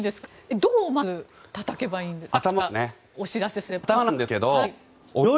どこをまず、たたけばいいんですか？